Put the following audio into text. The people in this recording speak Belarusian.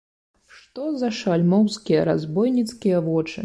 Што за шальмоўскія, разбойніцкія вочы!